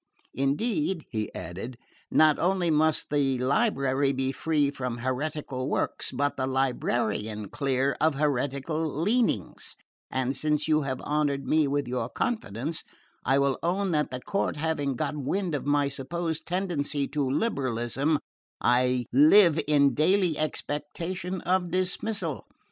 Indeed," he added, "not only must the library be free from heretical works, but the librarian clear of heretical leanings; and since you have honoured me with your confidence I will own that, the court having got wind of my supposed tendency to liberalism, I live in daily expectation of dismissal.